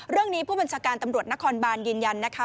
เรื่องนี้ผู้บัญชาการตำรวจนครบานยืนยันนะคะ